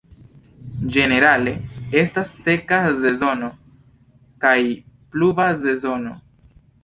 Ĝenerale estas seka sezono kaj pluva sezono.